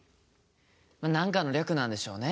何かの略なんでしょうね。